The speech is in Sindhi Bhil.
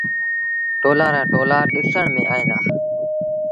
ٽولآن رآ ٽولآ ڏسڻ ميݩ ائيٚݩ دآ۔